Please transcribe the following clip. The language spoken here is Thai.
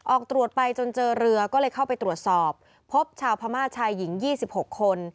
ออกตรวจไปจนเจอเรือก็เลยเข้าไปตรวจสอบพบชาวพม่าชายหญิง๒๖คน